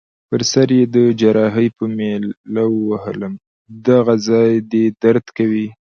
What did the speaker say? پر سر يي د جراحۍ په میله ووهلم: دغه ځای دي درد کوي؟